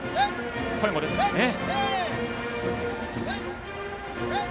声も出ていますね。